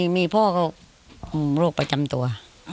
มีพ่อก็โรคประจำตัว